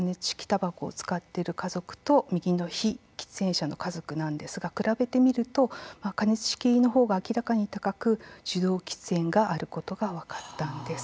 たばこを使っている家族と右の非喫煙者の家族なんですが比べてみると加熱式のほうが明らかに高く受動喫煙があることが分かったんです。